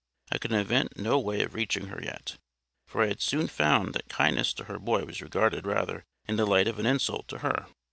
I could invent no way of reaching her yet; for I had soon found that kindness to her boy was regarded rather in the light of an insult to her.